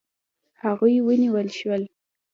هغوی ونیول شول.